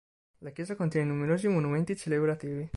La chiesa contiene numerosi monumenti celebrativi.